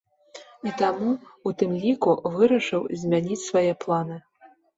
І таму, у тым ліку, вырашыў змяніць свае планы.